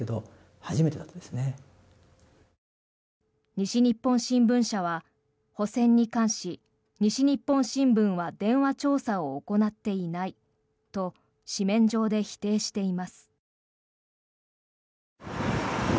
西日本新聞社は補選に関し西日本新聞は電話調査を行っていないと紙面上で否定しています。